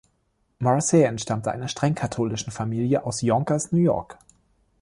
Morrissey entstammte einer streng katholischen Familie aus Yonkers, New York.